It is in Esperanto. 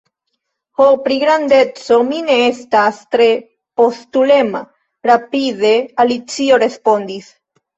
"Ho, pri grandeco, mi ne estas tre postulema," rapide Alicio respondis.